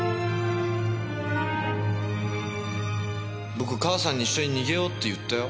僕母さんに一緒に逃げようって言ったよ。